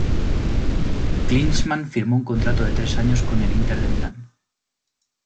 Klinsmann firmó un contrato de tres años con el Inter de Milán.